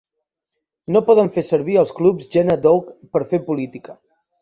No poden fer servir els clubs Jena Doug per fer política.